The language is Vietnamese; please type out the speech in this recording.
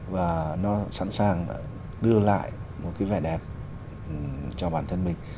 và nó sẵn sàng đưa lại một cái vẻ đẹp cho bản thân mình